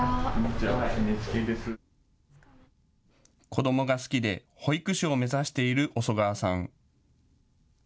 子どもが好きで保育士を目指している小曽川さん。